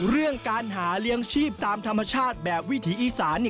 เรื่องการหาเลี้ยงชีพตามธรรมชาติแบบวิถีอีสาน